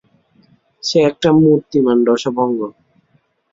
সে একটা মূর্তিমান রসভঙ্গ।